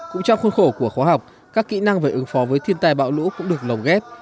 cũng trong khuôn khổ của khóa học các kỹ năng về ứng phó với thiên tài bạo lũ cũng được lồng ghép